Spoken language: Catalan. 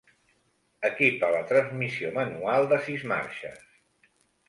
Equipa la transmissió manual de sis marxes.